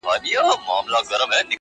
اکثر له دین او له وقاره سره لوبي کوي-